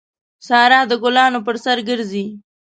سارا د ګلانو پر سر ګرځي.